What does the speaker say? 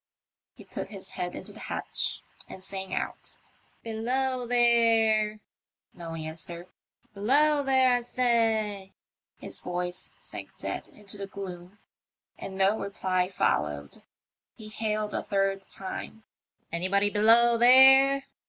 He put his head into the hatch and sang out, " Below there !" No answer. Below there, I say !" His voice sank dead into the gloom, and no reply followed. He hailed a third time :Anybody below there